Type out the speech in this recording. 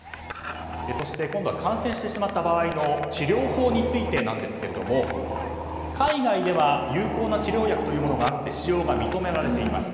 そして今度は感染してしまった場合の治療法なんですが海外では有効な治療薬というものがあって使用が認められています。